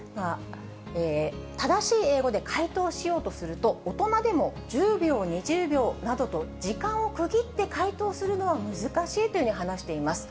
正しい英語で解答しようとすると、大人でも１０秒、２０秒などと、時間を区切って解答するのは難しいというふうに話しています。